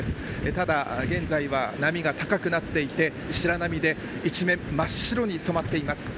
ただ、現在は波が高くなっていて、白波で一面真っ白に染まっています。